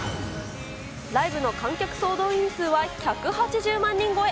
ライブの観客総動員数は１８０万人超え。